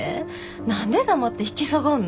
何で黙って引き下がんの。